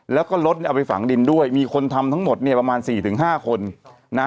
แล้วก็รถเนี่ยเอาไปฝังดินด้วยมีคนทำทั้งหมดเนี่ยประมาณสี่ถึงห้าคนนะ